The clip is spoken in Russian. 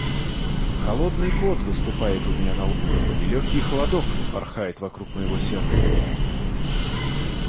Холодный пот выступает у меня на лбу, и легкий холодок порхает вокруг моего сердца.